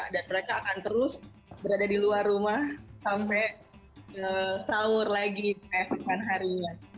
dan mereka akan terus berada di luar rumah sampai tawur lagi kayak sepanjang harinya